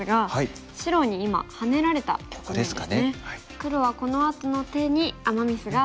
黒はこのあとの手にアマ・ミスがあったようです。